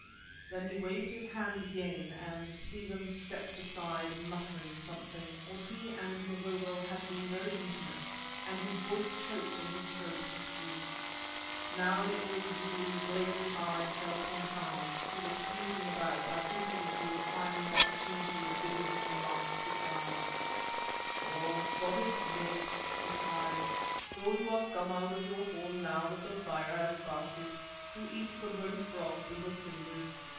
Then he waved his hand again, and Stephen stepped aside muttering something, for he and Mavovo had been very intimate and his voice choked in his throat with grief. Now the old Zulu's glazing eye fell upon Hans, who was sneaking about, I think with a view of finding an opportunity of bidding him a last good bye. "Ah! Spotted Snake," he cried, "so you have come out of your hole now that the fire has passed it, to eat the burnt frogs in the cinders.